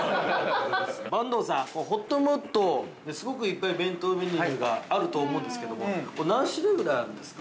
◆阪東さん、ほっともっとすごくいっぱい弁当メニューがあると思うんですけども、何種類ぐらいあるんですか。